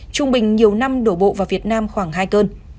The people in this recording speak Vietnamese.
trung bình nhiều năm đổ bộ vào việt nam khoảng hai cơn